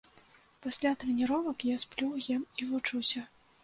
Пасля трэніровак я сплю, ем і вучуся.